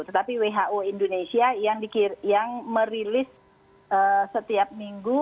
tetapi who indonesia yang merilis setiap minggu